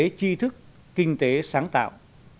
kinh tế chi thức kinh tế sáng tạo